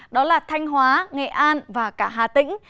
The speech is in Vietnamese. đó là thanh hóa nghệ an và cả hà tĩnh